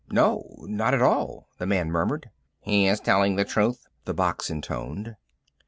"No, not at all," the man murmured. "Yes, he's telling the truth," the box intoned.